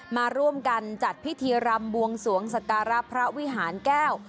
มาร่วมกันจัดพิธีรำบวงสวงสการะพระวิหารแก้ว